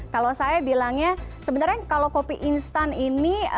kalau saya bilangnya sebenarnya kalau kopi instan ini